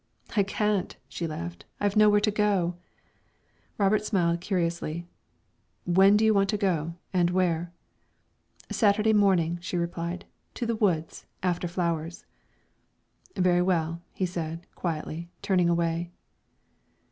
"I can't," she laughed. "I have nowhere to go." Robert smiled curiously. "When do you want to go, and where?" "Saturday morning," she replied; "to the woods, after flowers." "Very well," he said, quietly, turning away.